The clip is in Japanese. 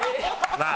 なあ？